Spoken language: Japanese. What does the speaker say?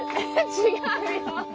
違うよ！